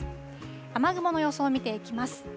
雨雲の予想を見ていきます。